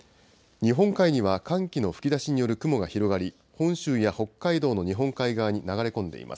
日本海には、寒気の吹き出しによる雲が広がり、本州や北海道の日本海側に流れ込んでいます。